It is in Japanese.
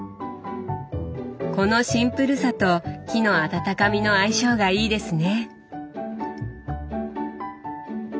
このシンプルさと木の温かみの相性がいいですね。